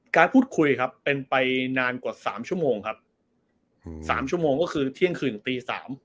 การพูดคุยครับเป็นไปนานกว่า๓ชั่วโมงครับ๓ชั่วโมงก็คือเที่ยงคืนตี๓